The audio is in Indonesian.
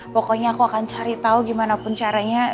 pokoknya aku akan cari tahu gimana pun caranya